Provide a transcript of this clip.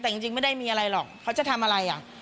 แต่จริงไม่ได้มีอะไรหรอกเขาจะทำอะไรอ่ะ